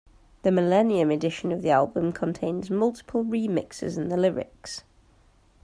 The millennium edition of the album contains multiple remixes and the lyrics.